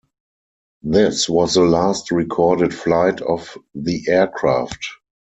This was the last recorded flight of the aircraft.